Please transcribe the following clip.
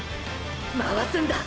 回すんだ！！